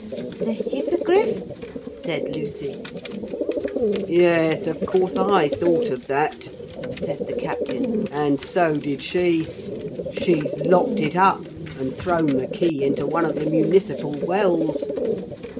'The Hippogriff?' said Lucy. 'Yes, of course I thought of that,' said the captain. 'And so did she. She's locked it up and thrown the key into one of the municipal wells.'